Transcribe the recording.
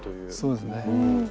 そうですね。